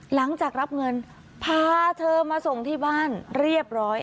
หลังจากรับเงินพาเธอมาส่งที่บ้านเรียบร้อย